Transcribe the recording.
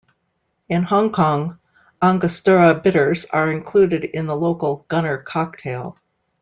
In Hong Kong, Angostura bitters are included in the local Gunner cocktail.